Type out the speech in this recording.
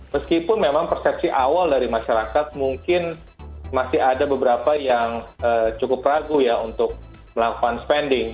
meskipun memang persepsi awal dari masyarakat mungkin masih ada beberapa yang cukup ragu ya untuk melakukan spending